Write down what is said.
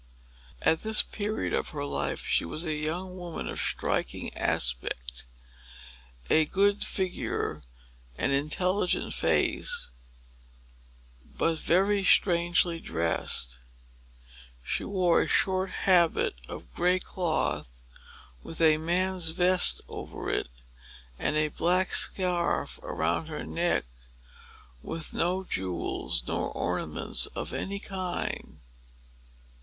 At this period of her life, she was a young woman of striking aspect, a good figure and intelligent face, but very strangely dressed. She wore a short habit of gray cloth, with a man's vest over it, and a black scarf around her neck, but no jewels, nor ornaments of any kind.